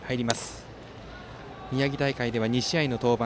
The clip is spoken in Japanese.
仁田は宮城大会では２試合登板。